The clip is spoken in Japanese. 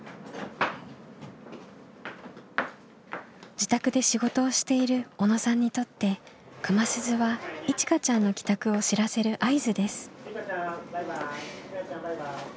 自宅で仕事をしている小野さんにとって熊鈴はいちかちゃんの帰宅を知らせる合図です。